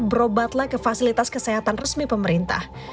berobatlah ke fasilitas kesehatan resmi pemerintah